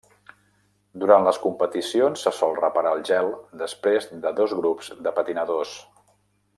Durant les competicions se sol reparar el gel després de dos grups de patinadors.